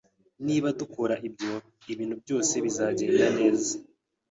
Niba dukora ibyo, ibintu byose bizagenda neza.